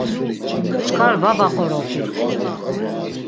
Çkar va vaqoropi.